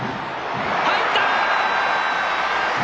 入った！